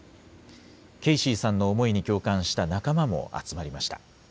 ケイシーさんの思いに共感した仲間も集まりました。